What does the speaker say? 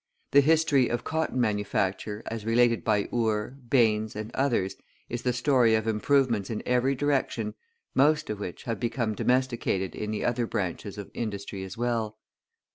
The history of cotton manufacture as related by Ure, {134a} Baines, {134b} and others is the story of improvements in every direction, most of which have become domesticated in the other branches of industry as well.